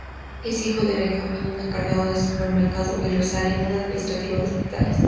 Es hijo de Benjamin, un encargado de supermercado y Rosalyn, una administrativa de hospitales.